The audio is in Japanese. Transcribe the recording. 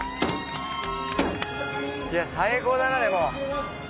いや最高だなでも。